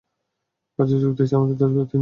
কাজে যোগ দিয়েছি আমার দশ বছর তিন মাস হলো!